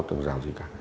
tường rào gì cả